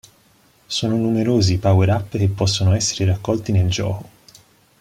Sono numerosi i power-up che possono essere raccolti nel gioco.